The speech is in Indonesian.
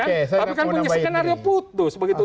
tapi kan punya skenario putus begitu